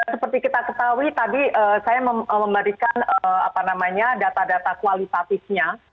seperti kita ketahui tadi saya memberikan data data kualitatifnya